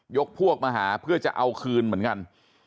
พวกมาหาเพื่อจะเอาคืนเหมือนกัน